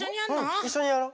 いっしょにやろう。